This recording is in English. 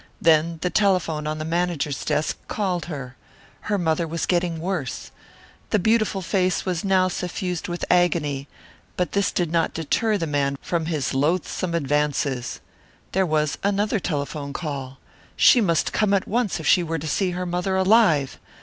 Then the telephone on the manager's desk called her. Her mother was getting worse. The beautiful face was now suffused with agony, but this did not deter the man from his loathsome advances. There was another telephone call. She must come at once if she were to see her mother alive.